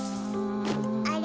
あれ？